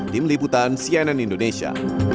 tim liputan cnn indonesia